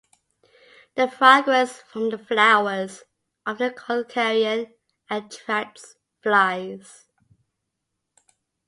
The fragrance from the flowers, often called "carrion", attracts flies.